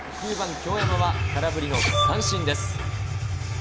京山は空振りの三振です。